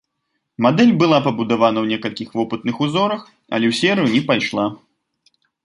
Мадэль была пабудавана ў некалькіх вопытных узорах, але ў серыю не пайшла.